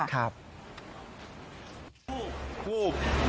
วูบวูบ